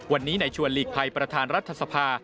วันนี้ในชวนหลีกภัยประธานรัฐสภา